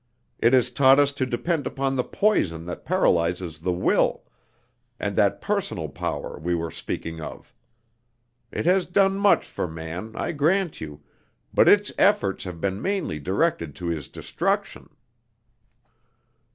It has taught us to depend upon the poison that paralyzes the will, and that personal power we were speaking of. It has done much for man, I grant you, but its efforts have been mainly directed to his destruction."